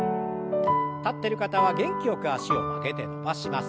立ってる方は元気よく脚を曲げて伸ばします。